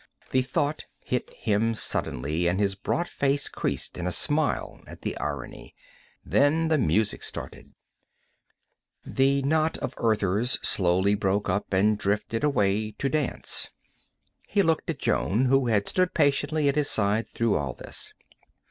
_ The thought hit him suddenly and his broad face creased in a smile at the irony. Then the music started. The knot of Earthers slowly broke up and drifted away to dance. He looked at Jonne, who had stood patiently at his side through all this.